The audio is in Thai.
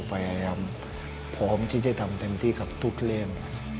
พยายามพร้อมที่จะทำเต็มที่กับทุกเรื่อง